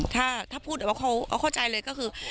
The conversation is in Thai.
ถ้าพูดเขาเข้าใจเลยก็คือ